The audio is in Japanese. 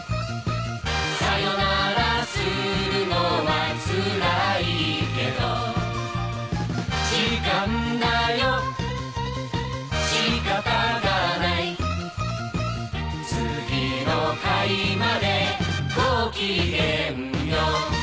「さよならするのはつらいけど」「時間だよしかたがない」「次の回までごきげんよう」